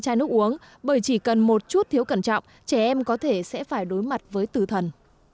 chai nước uống bởi chỉ cần một chút thiếu cẩn trọng trẻ em có thể sẽ phải đối mặt với tử thần